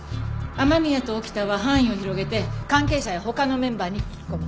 雨宮と沖田は範囲を広げて関係者や他のメンバーに聞き込み。